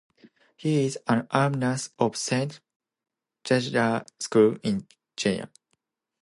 He is an alumnus of Saint Xavier School in Jaipur.